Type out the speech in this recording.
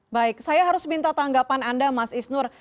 baik saya harus minta tanggapan anda mas isnur